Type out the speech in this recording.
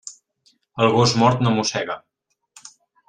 El gos mort no mossega.